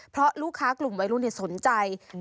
เพราะลูกค้ากลุ่มวัยรุ่นสนใจ